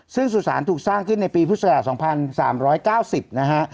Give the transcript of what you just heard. ซึ่งสุสานถูกสร้างขึ้นในปีพุทธศาสตร์๒๓๙๐นะฮะ